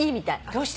どうして？